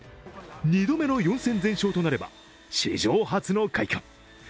２度目の４戦全勝となれば、史上初の快挙。